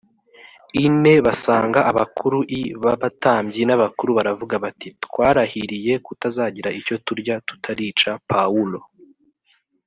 ine basanga abakuru i b abatambyi n abakuru baravuga bati twarahiriye kutazagira icyo turya tutarica pawulo